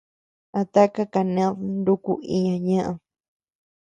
¿A taka kaned nuku iña ñeʼed?